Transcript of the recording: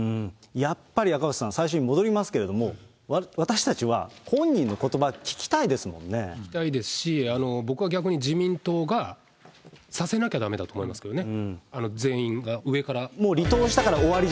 やっぱり赤星さん、最初に戻りますけれども、私たちは、本人聞きたいですし、僕は逆に自民党が、させなきゃだめだと思いますけどね。